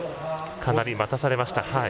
かなり待たされました。